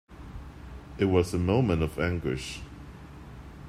It was a moment of anguish.